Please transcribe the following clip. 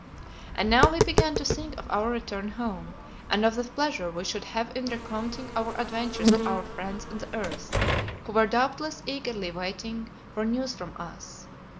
And now we began to think of our return home, and of the pleasure we should have in recounting our adventures to our friends on the earth, who were doubtless eagerly waiting for news from us.